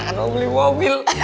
nggak boleh mobil